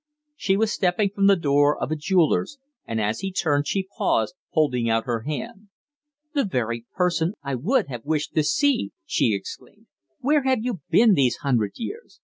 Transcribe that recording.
She was stepping from the door of a jeweller's, and as he turned she paused, holding out her hand. "The very person I would have wished to see!" she exclaimed. "Where have you been these hundred years?